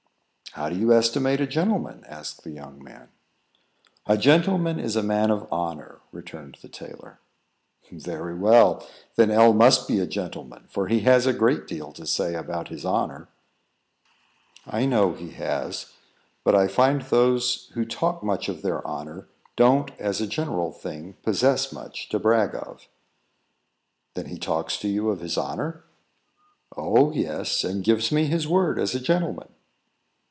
"How do you estimate a gentleman?" asked the young man. "A gentleman is a man of honour," returned the tailor. "Very well; then L must be a gentleman, for he has a great deal to say about his honour." "I know he has; but I find that those who talk much of their honour, don't, as a general thing, possess much to brag of." "Then, he talks to you of his honour?" "Oh, yes; and gives me his word as a gentleman."